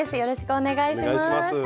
お願いします。